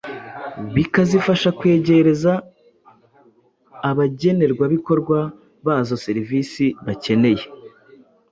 bikazifasha kwegereza abagenerwabikorwa bazo serivisi bakeneye.